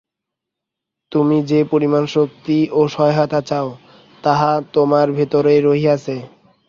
তুমি যে পরিমাণ শক্তি বা সহায়তা চাও, তাহা তোমার ভিতরেই রহিয়াছে।